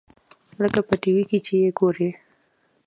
لکه په ټي وي کښې چې يې وګورې.